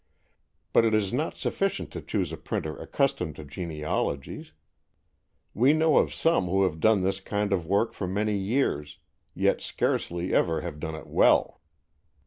But it is not sufficient to choose a printer accustomed to genealogies. We know of some who have done this kind of work for many years, yet scarcely ever have done it well.